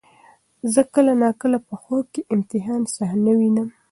زه کله ناکله په خوب کې د امتحان صحنه وینم.